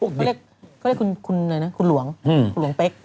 ก็เรียกคุณอะไรนะคุณหลวงคุณหลวงเป๊ก